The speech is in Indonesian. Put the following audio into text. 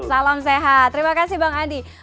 salam sehat terima kasih bang andi